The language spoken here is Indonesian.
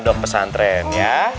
jadi pondok pesantren ya